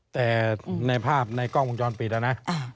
แต่ในภาพในกล้องวงจรปิดนะ